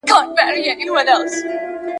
هغوی د واکمنۍ په چارو کي